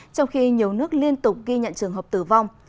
trong khi nhiều nước liên tục ghi nhận trường hợp tử vong